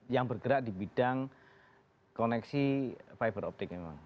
yang bergerak di bidang koneksi fiber optik memang